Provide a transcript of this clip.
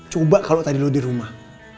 coba kalau tadi lo di rumah